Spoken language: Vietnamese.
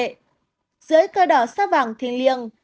dưới cơ đỏ xác vàng thiên liêng